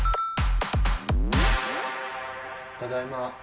ただいま。